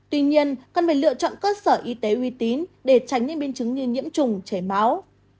tuy nhiên cần phải lựa chọn cơ sở y tế uy tín để tránh những biến chứng như nhiễm trùng chảy máu